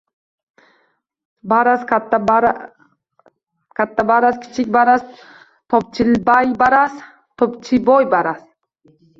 Baraz, Kattabaraz, Kichikbaraz, Topchibaybaraz To‘pchiboybaraz –